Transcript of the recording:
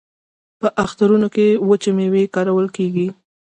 په اخترونو کې وچې میوې کارول کیږي.